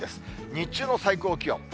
日中の最高気温。